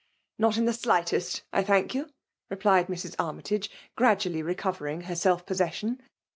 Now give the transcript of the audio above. '' Not in the slightest, I thank you," replied Mrs. Armytage, gradually recovering her self possession.